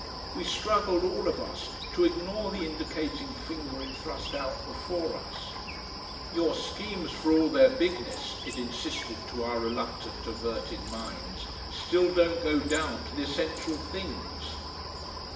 We struggled, all of us, to ignore the indicating finger it thrust out before us. "Your schemes, for all their bigness," it insisted to our reluctant, averted minds, "still don't go down to the essential things...."